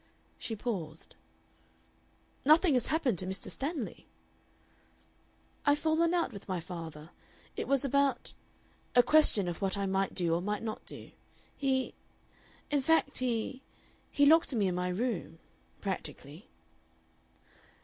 She paused. "Nothing has happened to Mr. Stanley?" "I've fallen out with my father. It was about a question of what I might do or might not do. He In fact, he he locked me in my room. Practically."